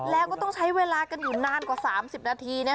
แล้วก็ต้องใช้เวลากันอยู่นานกว่า๓๐นาที